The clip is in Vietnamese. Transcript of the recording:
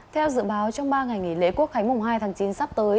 theo dự báo trong ba ngày nghỉ lễ quốc khánh mùng hai tháng chín sắp tới